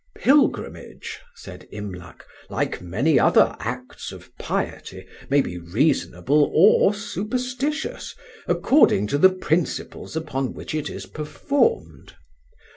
"Pilgrimage," said Imlac, "like many other acts of piety, may be reasonable or superstitious, according to the principles upon which it is performed.